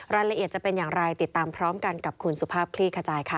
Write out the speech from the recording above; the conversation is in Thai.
รายละเอียดจะเป็นอย่างไรติดตามพร้อมกันกับคุณสุภาพคลี่ขจายค่ะ